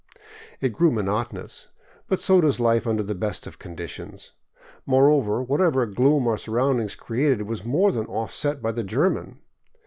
It grew monotonous, but so does life under the best of conditions. Moreover, whatever gloom our surroundings created was more than offset by the German.